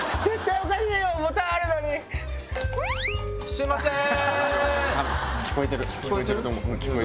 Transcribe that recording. すいません！